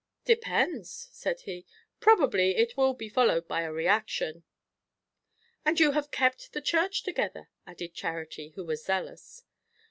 "Depends " said he. "Probably it will be followed by a reaction." "And you have kept the church together," added Charity, who was zealous.